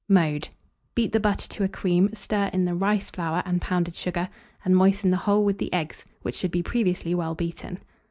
Mode. Beat the butter to a cream, stir in the rice flour and pounded sugar, and moisten the whole with the eggs, which should be previously well beaten.